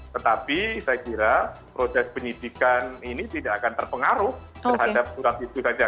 tetapi saya kira proses penyidikan ini tidak akan terpengaruh terhadap surat itu saja